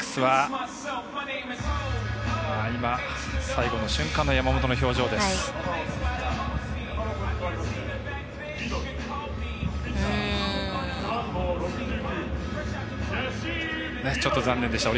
最後の瞬間の山本の表情でした。